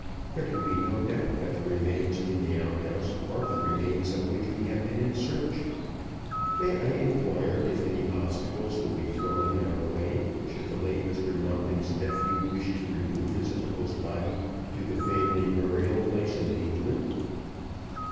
"There can be no doubt that the remains in the outhouse are the remains of which we have been in search. May I inquire if any obstacles will be thrown in our way should the late Mr. Monkton's nephew wish to remove his uncle's body to the family burial place in England?"